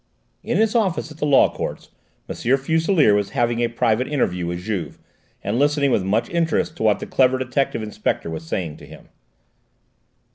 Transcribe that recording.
In his office at the Law Courts, M. Fuselier was having a private interview with Juve, and listening with much interest to what the clever detective inspector was saying to him.